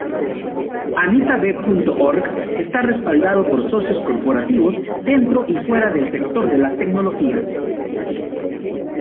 AnitaB.org está respaldado por socios corporativos dentro y fuera del sector de la tecnología.